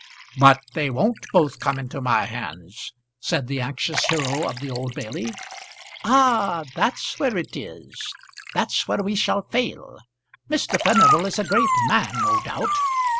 "But they won't both come into my hands," said the anxious hero of the Old Bailey. "Ah! that's where it is. That's where we shall fail. Mr. Furnival is a great man, no doubt."